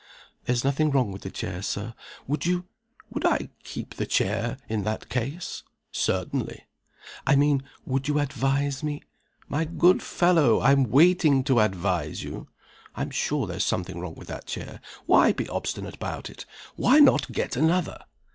"There's nothing wrong with the chair, Sir. Would you " "Would I keep the chair, in that case? Certainly." "I mean, would you advise me " "My good fellow, I'm waiting to advise you. (I'm sure there's something wrong with that chair. Why be obstinate about it? Why not get another?)"